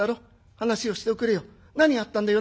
話をしておくれよ。何があったんだよ？